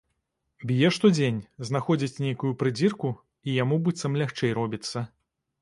Б'е штодзень, знаходзіць нейкую прыдзірку, і яму быццам лягчэй робіцца.